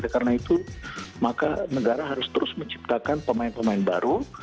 karena itu maka negara harus terus menciptakan pemain pemain baru